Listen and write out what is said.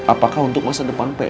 apakah untuk masa depan pak